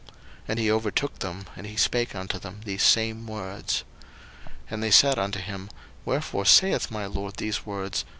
01:044:006 And he overtook them, and he spake unto them these same words. 01:044:007 And they said unto him, Wherefore saith my lord these words?